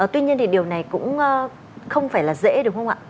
tuy nhiên thì điều này cũng không phải là dễ đúng không ạ